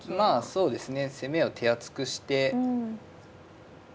そうですね。